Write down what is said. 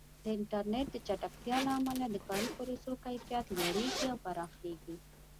د انټرنیټ د چټکتیا له امله د کاري پروسو کیفیت لوړېږي او پراخېږي.